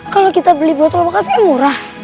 kalau kita beli botol bekas kan murah